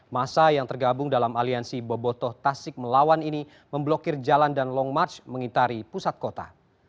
masa yang tergabung dalam aliansi bobotoh tasik melawan ini memblokir jalan dan long march mengitari pusat kota